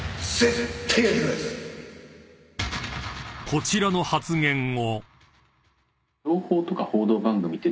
［こちらの発言を］